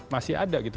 masih ada gitu